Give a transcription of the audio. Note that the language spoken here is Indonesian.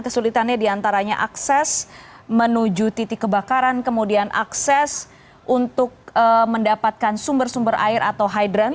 kesulitannya diantaranya akses menuju titik kebakaran kemudian akses untuk mendapatkan sumber sumber air atau hydran